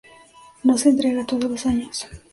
No se entrega todos los años.